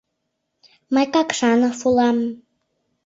— Мый Какшанов улам.